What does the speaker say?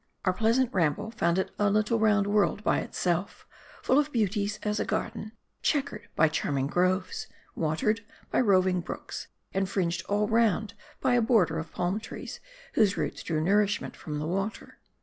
Our pleasant ramble found it a little round world by itself ; full of beauties as a garden ; chequered by charm ing groves ; watered by roving brooks ; and fringed all round by a border of palm trees, whose roots drew nourish ment from the water.